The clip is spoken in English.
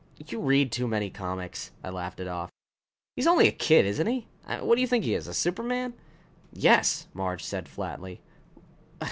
"You read too many comics," I laughed it off. "He's only a kid, isn't he? What do you think he is? A superman?" "Yes," Marge said flatly.